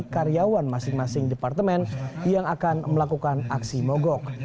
karyawan masing masing departemen yang akan melakukan aksi mogok